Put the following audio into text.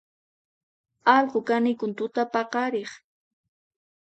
Allqu kanikun tutapaqariq